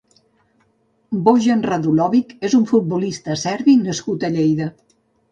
Bojan Radulovic és un futbolista serbi nascut a Lleida.